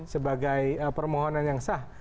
sebagai permohonan yang sah